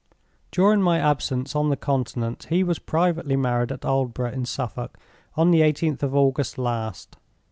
During my absence on the Continent he was privately married at Aldborough, in Suffolk, on the eighteenth of August last.